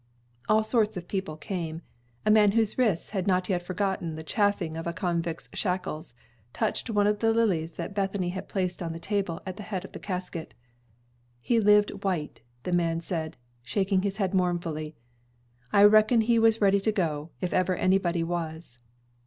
All sorts of people came. A man whose wrists had not yet forgotten the chafing of a convict's shackles, touched one of the lilies that Bethany had placed on the table at the head of the casket. "He lived white!" the man said, shaking his head mournfully. "I reckon he was ready to go if ever any body was."